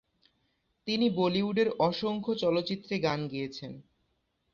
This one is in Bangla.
তিনি বলিউডের অসংখ্য চলচ্চিত্রে গান গেয়েছেন।